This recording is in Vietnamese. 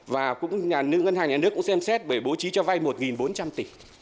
và ngân hàng nhà nước cũng xem xét để bố trí cho vay một bốn trăm linh tỷ